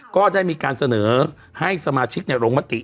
ก็ได้มีการเสนอให้สมาชิกลงมติ